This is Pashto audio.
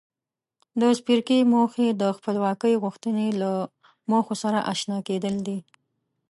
د څپرکي موخې د خپلواکۍ غوښتنې له موخو سره آشنا کېدل دي.